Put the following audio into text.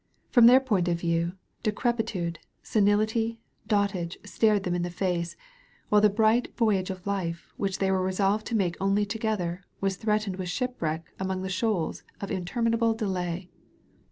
From their point of view, decrepitude, senility, dotage stared them in the face, while the bright voyage of life which they were resolved to make only together, was threat ened with shipwreck among the shoals of intermi nable delay.